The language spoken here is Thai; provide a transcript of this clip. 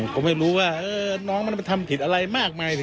ผมไม่รู้ว่าน้องมันไปทำผิดอะไรมากมาย